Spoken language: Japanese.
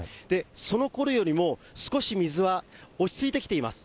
そのころよりも少し水は落ち着いてきています。